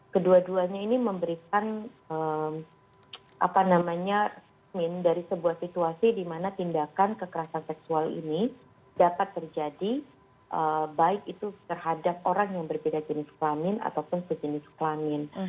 kedua duanya ini memberikan min dari sebuah situasi di mana tindakan kekerasan seksual ini dapat terjadi baik itu terhadap orang yang berbeda jenis kelamin ataupun sejenis kelamin